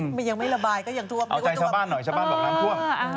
มมยังไม่ระบายก็ยังถั่ว